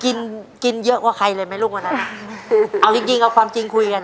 กินกินเยอะกว่าใครเลยไหมลูกวันนั้นเอาจริงจริงเอาความจริงคุยกัน